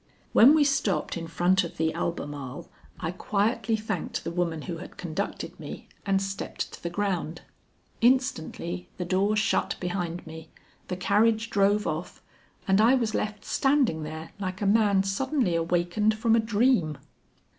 When we stopped in front of the Albemarle I quietly thanked the woman who had conducted me, and stepped to the ground. Instantly the door shut behind me, the carriage drove off, and I was left standing there like a man suddenly awakened from a dream.